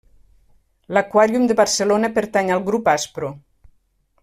L'Aquàrium de Barcelona pertany al Grup Aspro.